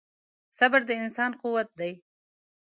• صبر د انسان قوت دی.